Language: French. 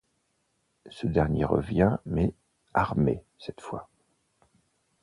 Ce dernier revient, mais armé cette fois.